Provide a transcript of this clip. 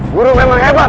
guru memang hebat